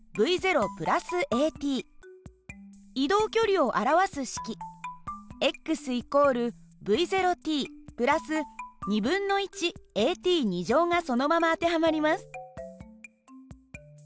ａｔ移動距離を表す式＝υｔ＋ａｔがそのまま当てはまります。